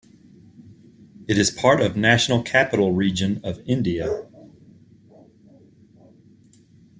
It is part of National Capital Region of India.